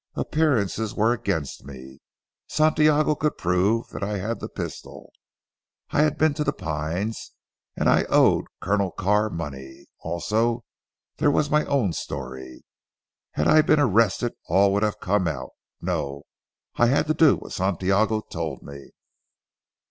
"Appearances were against me. Santiago could prove that I had the pistol. I had been to 'The Pines,' and I owed Colonel Carr money. Also there was my own story. Had I been arrested, all would have come out. No! I had to do what Santiago told me."